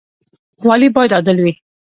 والي باید عادل وي